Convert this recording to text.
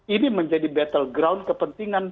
ini menjadi battle ground kepentingan